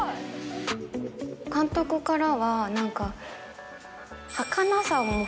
監督からは何か。